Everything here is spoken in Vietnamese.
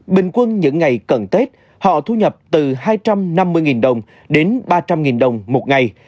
bình quân những ngày cận tết họ thu nhập từ hai trăm năm mươi đồng đến ba trăm linh đồng một ngày